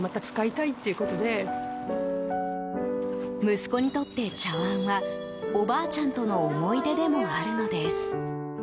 息子にとって、茶碗はおばあちゃんとの思い出でもあるのです。